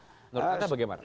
menurut anda bagaimana